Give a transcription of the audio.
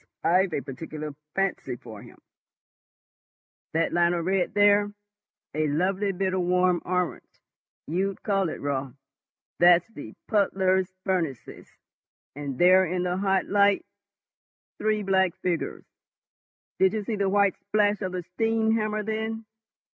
I've a particular fancy for him. That line of red there—a lovely bit of warm orange you'd call it, Raut—that's the puddlers' furnaces, and there, in the hot light, three black figures—did you see the white splash of the steam hammer then?